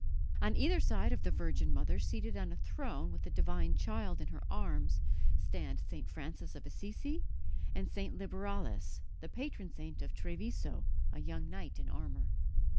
On either side of the Virgin Mother, seated on a throne with the Divine Child in her arms, stand St. Francis of Assisi, and St. Liberalis, the patron saint of Treviso, a young knight in armour.